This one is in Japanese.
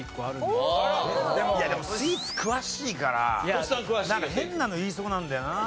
いやでもスイーツ詳しいからなんか変なの言いそうなんだよな。